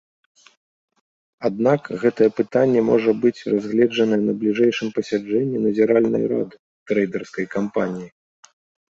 Аднак гэтае пытанне можа быць разгледжанае на бліжэйшым паседжанні назіральнай рады трэйдэрскай кампаніі.